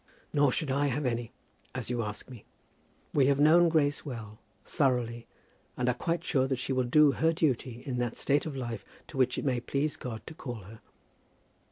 "Nor should I have any, as you ask me. We have known Grace well, thoroughly, and are quite sure that she will do her duty in that state of life to which it may please God to call her."